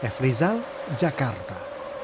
f rizal jakarta